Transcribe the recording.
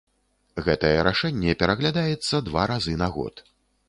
Гэтае рашэнне пераглядаецца два разы на год.